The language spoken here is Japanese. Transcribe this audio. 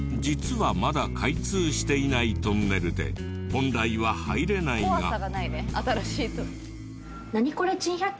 実はまだ開通していないトンネルで本来は入れないが。